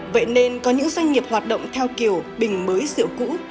vậy nên có những doanh nghiệp hoạt động theo kiểu bình mới rượu cũ